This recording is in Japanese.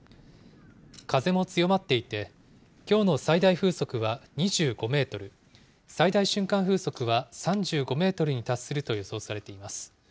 風も強まっていて、きょうの最大風速は２５メートル、最大瞬間風速は３５メートルに達すると予想されています。